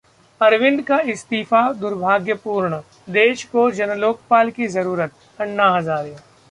अरविंद का इस्तीफा दुर्भाग्यपूर्ण, देश को जनलोकपाल की जरूरत: अन्ना हजारे